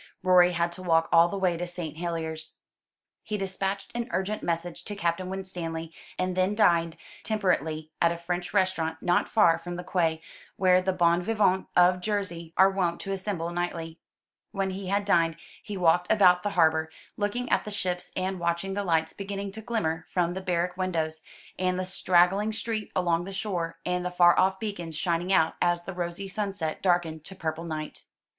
Rorie had to walk all the way to St. Helier's. He dispatched an urgent message to Captain Winstanley, and then dined temperately at a French restaurant not far from the quay, where the bon vivants of Jersey are wont to assemble nightly. When he had dined he walked about the harbour, looking at the ships, and watching the lights beginning to glimmer from the barrack windows, and the straggling street along the shore, and the far off beacons shining out, as the rosy sunset darkened to purple night.